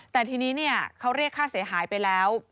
แต่ทีนี้เขาเรียกค่าเสียหายไปแล้ว